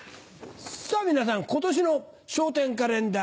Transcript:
さぁ皆さん今年の『笑点』カレンダー